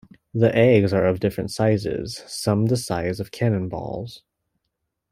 The eggs are of different sizes, some the size of cannon balls.